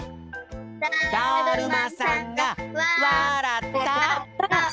だるまさんがわらった！